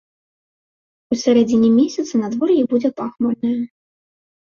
У сярэдзіне месяца надвор'е будзе пахмурнае.